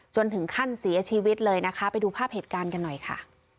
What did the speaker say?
จนถึงขั้นเสียชีวิตเลยนะคะไปดูภาพเหตุการณ์กันหน่อยค่ะ